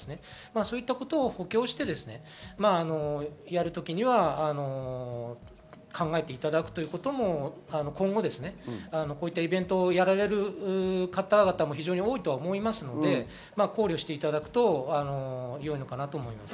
そういったことを補強して、やるときには考えていただくということも今後こういったイベントをやる方々も非常に多いと思いますので考慮していただくと良いのかなと思います。